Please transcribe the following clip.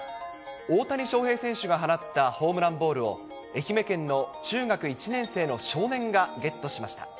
大谷翔平選手が放ったホームランボールを、愛媛県の中学１年生の少年がゲットしました。